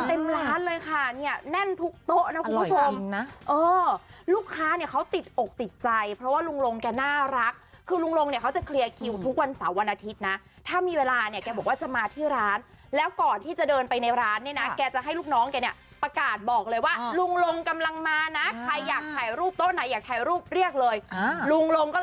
โอ้โหคนเต็มร้านเลยค่ะเนี้ยแน่นทุกโต๊ะนะคุณผู้ชมอร่อยจริงนะเออลูกค้าเนี้ยเขาติดอกติดใจเพราะว่าลุงลงแกน่ารักคือลุงลงเนี้ยเขาจะเคลียร์คิวทุกวันเสาร์วันอาทิตย์นะถ้ามีเวลาเนี้ยแกบอกว่าจะมาที่ร้านแล้วก่อนที่จะเดินไปในร้านเนี้ยนะแกจะให้ลูกน้องแกเนี้ยประกาศบอกเลยว่าลุงลงก